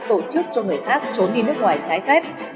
tổ chức cho người khác trốn đi nước ngoài trái phép